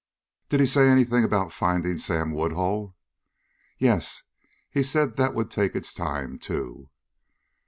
"Did he say anything about finding Sam Woodhull?" "Yes. He said that would take its time, too."